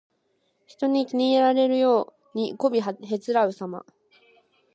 人に気に入られるようにこびへつらうさま。